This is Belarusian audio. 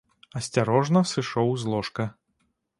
Асцярожна сышоў з ложка.